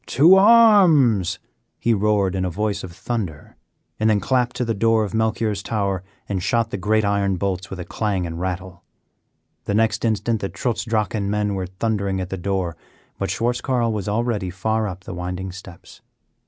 "To arms!" he roared in a voice of thunder, and then clapped to the door of Melchior's tower and shot the great iron bolts with a clang and rattle. The next instant the Trutz Drachen men were thundering at the door, but Schwartz Carl was already far up the winding steps.